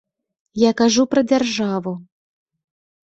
Я кажу пра дзяржаву.